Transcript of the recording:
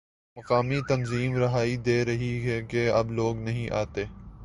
مقامی تنظیم دہائی دے رہی ہے کہ اب لوگ نہیں آتے